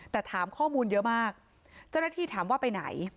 แต่ถามข้อมูลเยอะมากเจ้าหน้าที่ถามว่าไปไหน